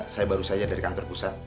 saya baru saja dari kantor pusat